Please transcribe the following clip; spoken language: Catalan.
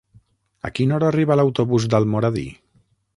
A quina hora arriba l'autobús d'Almoradí?